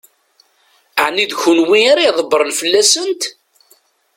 Ɛni d kenwi ara ydebbṛen fell-asent?